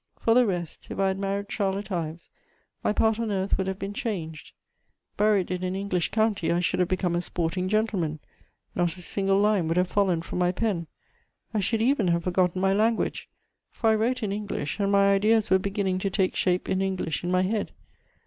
For the rest, if I had married Charlotte Ives, my part on earth would have been changed: buried in an English county, I should have become a sporting gentleman; not a single line would have fallen from my pen; I should even have forgotten my language, for I wrote in English, and my ideas were beginning to take shape in English in my head.